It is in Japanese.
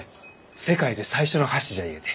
世界で最初の橋じゃゆうて。